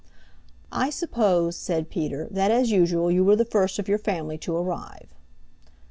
"I suppose," said Peter, "that as usual you were the first of your family to arrive."